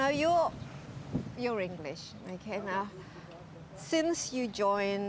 agar orang lain juga bisa memakainya